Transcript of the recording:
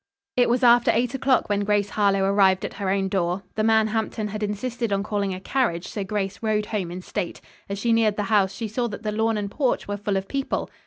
It was after eight o'clock when Grace Harlowe arrived at her own door. The man Hampton had insisted on calling a carriage, so Grace rode home in state. As she neared the house she saw that the lawn and porch were full of people.